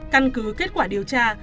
căn cứ kết quả điều tra